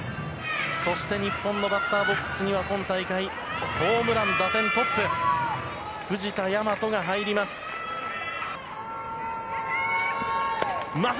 そして日本のバッターボックスには、今大会、ホームラン、打点トップ、藤田倭が入ります。